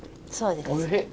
おいしい！